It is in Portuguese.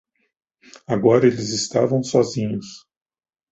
Agora eles estavam sozinhos.